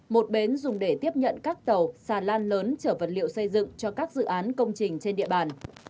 một bến dùng để tiếp nhận các tàu xà lan lớn chở vật liệu xây dựng cho các dự án công trình trên địa bàn